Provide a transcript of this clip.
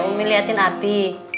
gak boleh umi liatin abi